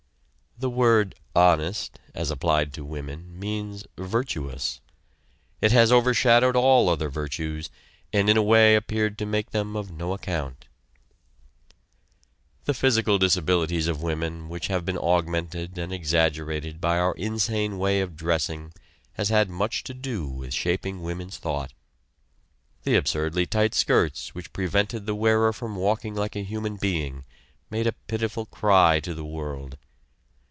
The word "honest" as applied to women means "virtuous." It has overshadowed all other virtues, and in a way appeared to make them of no account. The physical disabilities of women which have been augmented and exaggerated by our insane way of dressing has had much to do with shaping women's thought. The absurdly tight skirts which prevented the wearer from walking like a human being, made a pitiful cry to the world.